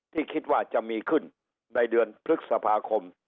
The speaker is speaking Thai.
ที่คิดว่าจะมีขึ้นในเดือนพฤษภาคม